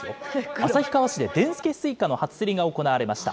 旭川市で、でんすけすいかの初競りが行われました。